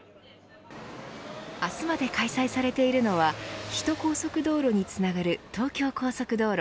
明日まで開催されているのは首都高速道路につながる東京高速道路